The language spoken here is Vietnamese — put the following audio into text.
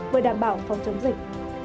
vừa đảm bảo phòng chống dịch